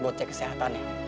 buat cek kesehatan ya